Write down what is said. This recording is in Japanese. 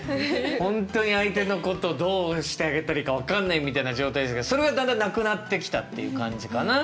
本当に相手のことをどうしてあげたらいいか分かんないみたいな状態でしたけどそれはだんだんなくなってきたっていう感じかな？